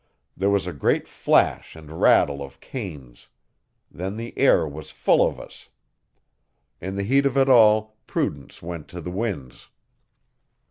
There was a great flash and rattle of canes. Then the air was full of us. In the heat of it all prudence went to the winds.